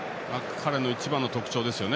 彼の一番の特徴ですね。